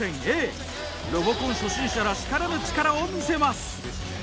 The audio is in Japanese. ロボコン初心者らしからぬ力を見せます。